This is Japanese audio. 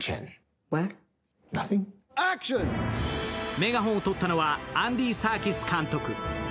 メガホンを取ったのは、アンディ・サーキス監督。